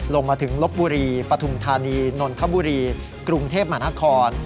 ลงมาถึงลบบุรีปฐุมธานีนนทบุรีกรุงเทพมหานคร